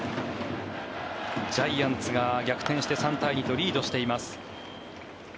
ジャイアンツが逆転して３対２とリードしています。